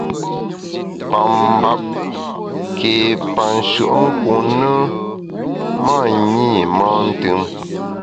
Pa mbap ké pa nshùenkun ne, ma nyi mantùm.